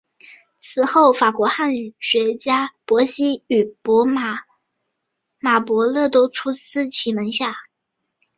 此后的法国汉学家伯希和与马伯乐都出自其门下。